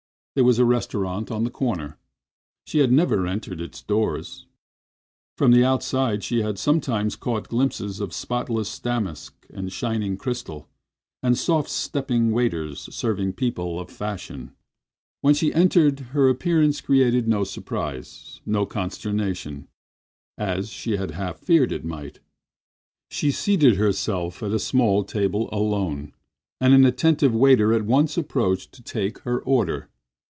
There was a restaurant at the corner. She had never entered its doors; from the outside she had sometimes caught glimpses of spotless damask and shining crystal, and soft stepping waiters serving people of fashion. When she entered her appearance created no surprise, no consternation, as she had half feared it might. She seated herself at a small table alone, and an attentive waiter at once approached to take her order.